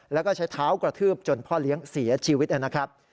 แล้วก็ใช้เท้ากระทืบจนพ่อเลี้ยงเสียชีวิตนะครับ